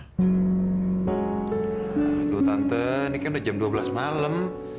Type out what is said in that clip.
aduh tante ini kan udah jam dua belas malam